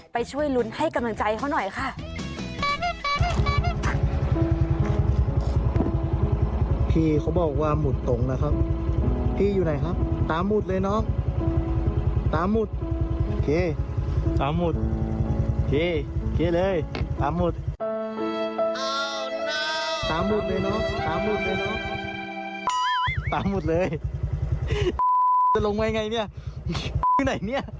ไปช่วยลุ้นให้กำลังใจเขาหน่อยค่ะ